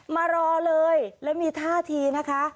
มารอเลยแล้วมีท่าทีนะคะ